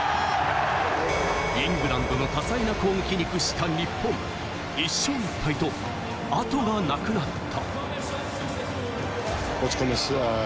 イングランドの多彩な攻撃に屈した日本、１勝１敗と後がなくなった。